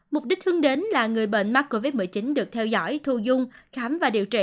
mục đích hướng đến là người bệnh mắc covid một mươi chín được theo dõi thu dung khám và điều trị